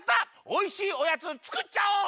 おいしいおやつつくっちゃおう！